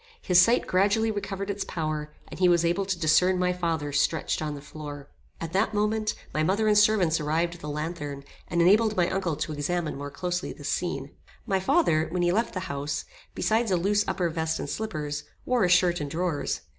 His sight gradually recovered its power, and he was able to discern my father stretched on the floor. At that moment, my mother and servants arrived with a lanthorn, and enabled my uncle to examine more closely this scene. My father, when he left the house, besides a loose upper vest and slippers, wore a shirt and drawers.